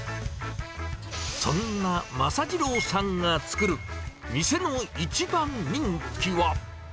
そんな政次郎さんが作る店の一番人気は。